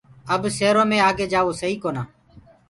اب سيرو مي آگي جآوو سئي ڪونآ۔